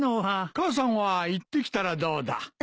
母さんは行ってきたらどうだ？